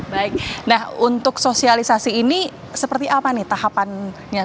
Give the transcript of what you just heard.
baik nah untuk sosialisasi ini seperti apa nih tahapannya